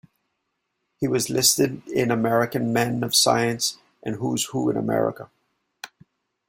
He was listed in American Men of Science and Who's Who in America.